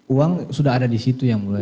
uang sudah ada di situ yang mulia